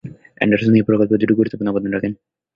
Anderson এ প্রকল্পে দুইটি গুরুত্বপূর্ণ অবদান রাখেন।